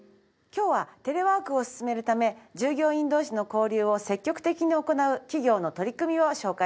今日はテレワークを進めるため従業員同士の交流を積極的に行う企業の取り組みを紹介します。